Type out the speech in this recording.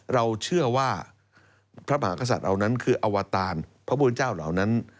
เราเชื่อว่าพระมหากษัตริย์เหล่านั้นคืออวตารพระพุทธเจ้าเหล่านั้น